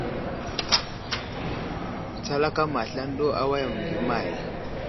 Tsakala may aslane ɗu awayam məŋgay əmay !